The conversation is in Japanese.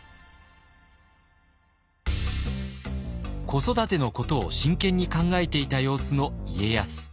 子育てのことを真剣に考えていた様子の家康。